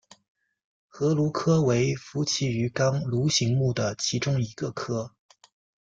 河鲈科为辐鳍鱼纲鲈形目的其中一个科。